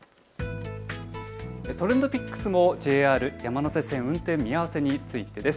ＴｒｅｎｄＰｉｃｋｓもＪＲ山手線、運転見合わせについてです。